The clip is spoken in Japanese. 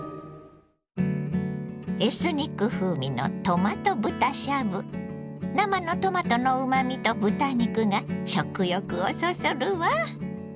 エスニック風味の生のトマトのうまみと豚肉が食欲をそそるわ。